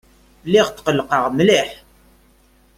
Lliɣ tqelqeɣ mliḥ.